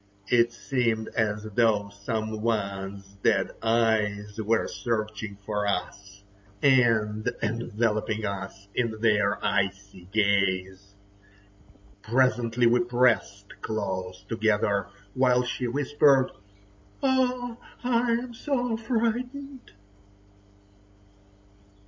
It seemed as though some one's dead eyes were searching for us, and enveloping us in their icy gaze. Presently we pressed close together, while she whispered: "Oh! I am so frightened!"